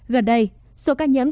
gần đây số ca nhiễm